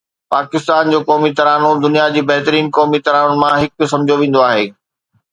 پاڪستان جو قومي ترانو دنيا جي بهترين قومي ترانون مان هڪ سمجهيو ويندو آهي